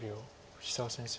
藤沢先生